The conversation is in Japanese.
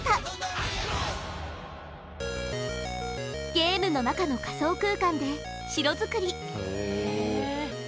ゲームの中の仮想空間で城づくり！